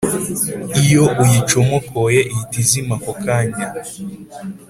iyo uyicomokoye ihita izima ako kanya